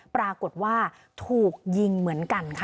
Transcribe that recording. ปรากฏว่าถูกยิงเหมือนกันค่ะ